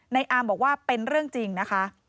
อาร์มบอกว่าเป็นเรื่องจริงนะคะ